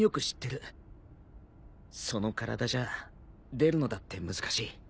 その体じゃ出るのだって難しい。